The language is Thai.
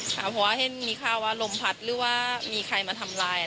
เพราะว่าเห็นมีข้าวว่าลมพัดหรือว่ามีใครมาทำลาย